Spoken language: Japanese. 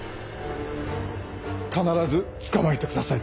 必ず捕まえてください